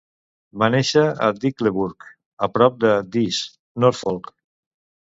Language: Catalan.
Va néixer a Dickleburgh, a prop de Diss, Norfolk.